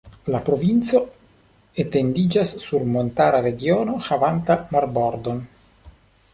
La provinco etendiĝas sur montara regiono havanta marbordon.